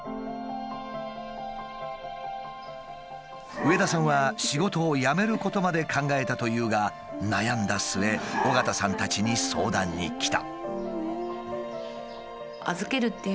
上田さんは仕事を辞めることまで考えたというが悩んだ末緒方さんたちに相談に来た。